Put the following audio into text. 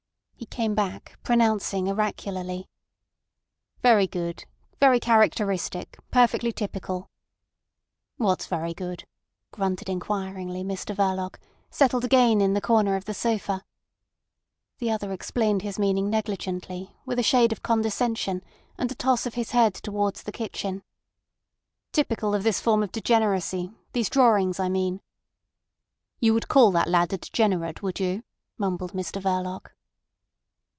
He came back, pronouncing oracularly: "Very good. Very characteristic, perfectly typical." "What's very good?" grunted inquiringly Mr Verloc, settled again in the corner of the sofa. The other explained his meaning negligently, with a shade of condescension and a toss of his head towards the kitchen: "Typical of this form of degeneracy—these drawings, I mean." "You would call that lad a degenerate, would you?" mumbled Mr Verloc.